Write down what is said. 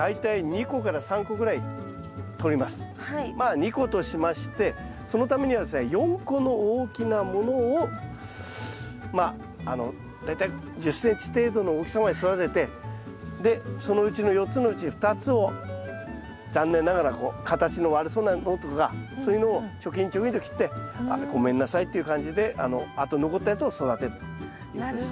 まあ２個としましてそのためにはですね４個の大きなものをまああの大体１０ｃｍ程度の大きさまで育ててでそのうちの４つのうち２つを残念ながらこう形の悪そうなのとかそういうのをチョキンチョキンと切ってごめんなさいという感じであと残ったやつを育てるということです。